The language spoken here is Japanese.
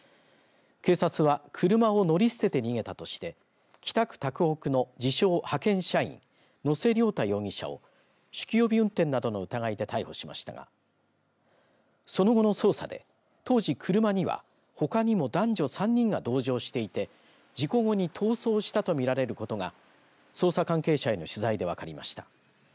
警察は、車を乗り捨てて逃げたとして北区拓北の自称、派遣社員野瀬瞭太容疑者を酒気帯び運転などの疑いで逮捕しましたがその後の捜査で当時、車にはほかにも男女３人が同乗していて事故後に逃走したと見られることが捜査関係者への取材で分かりました。